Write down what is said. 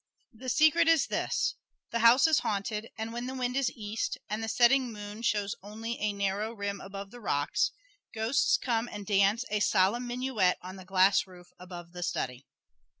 The secret is this: The house is haunted, and when the wind is east, and the setting moon shows only a narrow rim above the rocks, ghosts come and dance a solemn minuet on the glass roof above the study.